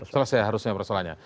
selesai harusnya persoalannya